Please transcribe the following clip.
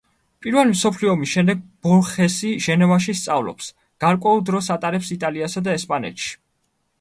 პირველი მსოფლიო ომის შემდეგ ბორხესი ჟენევაში სწავლობს, გარკვეულ დროს ატარებს იტალიასა და ესპანეთში.